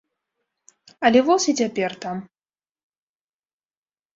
Але воз і цяпер там.